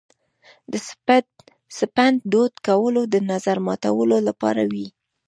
د سپند دود کول د نظر ماتولو لپاره وي.